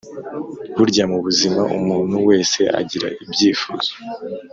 Burya mu buzima umuntu wese agira ibyifuzo